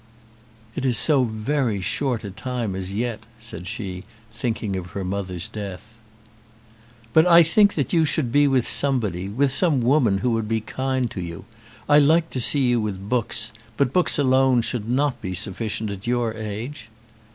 "It is so very short a time as yet," said she, thinking of her mother's death. "But I think that you should be with somebody, with some woman who would be kind to you. I like to see you with books, but books alone should not be sufficient at your age."